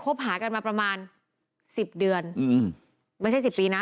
คบหากันมาประมาณสิบเดือนไม่ใช่๑๐ปีนะ